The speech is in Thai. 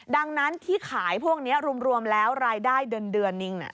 ดังนั้นที่ขายพวกนี้รวมแล้วรายได้เดือนนึง